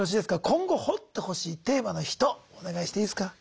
今後掘ってほしいテーマの人お願いしていいすか？